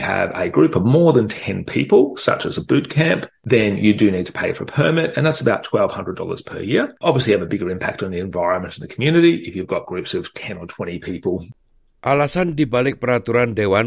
alasan dibalik peraturan dewan